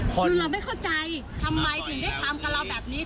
คือเราไม่เข้าใจทำไมถึงได้ทำกับเราแบบนี้